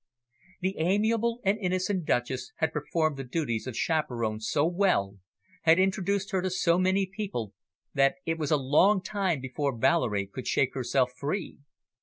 The amiable and innocent Duchess had performed the duties of chaperon so well, had introduced her to so many people, that it was a long time before Valerie could shake herself free.